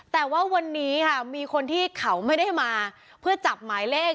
แต่ว่าวันนี้ค่ะมีคนที่เขาไม่ได้มาเพื่อจับหมายเลข